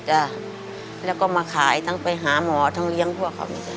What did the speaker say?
จ้ะแล้วก็มาขายทั้งไปหาหมอทั้งเลี้ยงพวกเขา